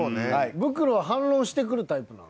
ブクロは反論してくるタイプなの？